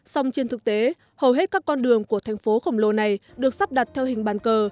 xong trên thực tế hầu hết các con đường của thành phố khổng lồ này được sắp đặt theo hình bàn cờ